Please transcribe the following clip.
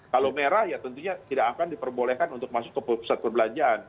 kalau merah ya tentunya tidak akan diperbolehkan untuk masuk ke pusat perbelanjaan